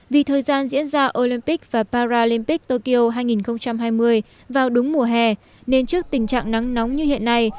vì thời gian diễn ra olympic và paralympic tokyo hai nghìn hai mươi vào đúng mùa hè nên trước tình trạng nắng nóng như hiện nay